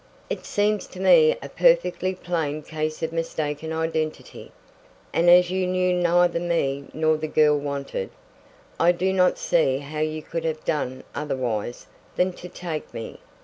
"It seems to me a perfectly plain case of mistaken identity, and as you knew neither me nor the girl wanted, I do not see how you could have done otherwise than to take me.